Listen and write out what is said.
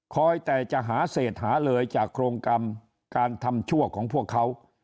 แต่จะหาเศษหาเลยจากโครงการการทำชั่วของพวกเขา